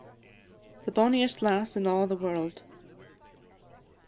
THE BONNIEST LASS IN A' THE WARLD.